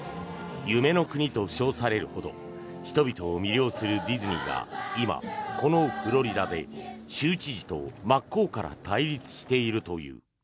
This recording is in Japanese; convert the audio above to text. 夢の国と称されるほど人々を魅了するディズニーが今、このフロリダで州知事と真っ向から対立しているという。